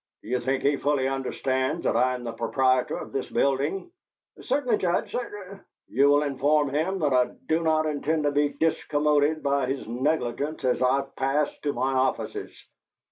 "Do you think he fully understands that I am the proprietor of this building?" "Certainly, Judge, cer " "You will inform him that I do not intend to be discommoded by his negligence as I pass to my offices.